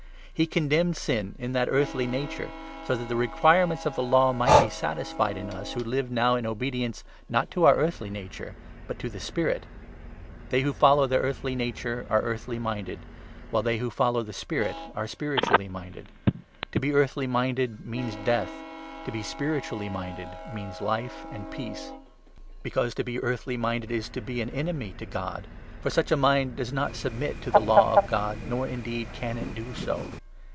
He condemned sin in that earthly nature, so that the requirements of the Law might be satisfied 4 in us who live now in obedience, not to our earthly nature, but to the Spirit. They who follow their earthly nature are earthly 5 minded, while they who follow the Spirit are spiritually minded. To be earthly minded means Death, to be spiritually minded 6 means Life and Peace ; because to be earthly minded is to be 7 an enemy to God, for such a mind does not submit to the Law of God, nor indeed can it do so.